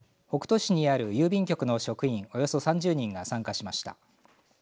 きのう開かれた研修には北杜市にある郵便局の職員およそ３０人が参加しました。